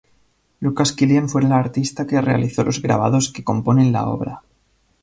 Lucas Kilian fue el artista que realizó los grabados que componen la obra.